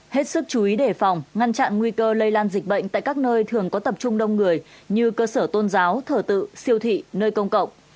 hết sức chú ý đề phòng ngăn chặn nguy cơ lây lan dịch bệnh tại các nơi thường có tập trung đông người như cơ sở tôn giáo thờ tự siêu thị nơi công cộng